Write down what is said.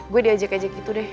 gue diajak ajak itu deh